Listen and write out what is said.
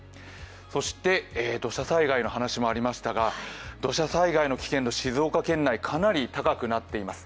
そして土砂災害の話もありましたが土砂災害の危険度、静岡県内、かなり高くなってきています。